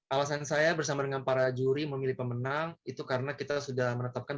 alasan saya bersama dengan para juri memilih pemenang itu karena kita sudah menetapkan